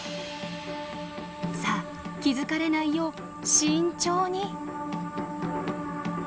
さあ気付かれないよう慎重に。